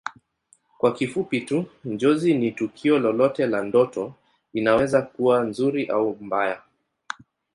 Kwa kifupi tu Njozi ni tukio lolote la ndoto inaweza kuwa nzuri au mbaya